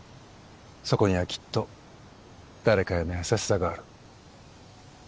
そこにはきっと誰かへの優しさがある。